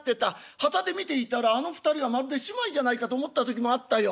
端で見ていたらあの２人はまるで姉妹じゃないかと思った時もあったよ。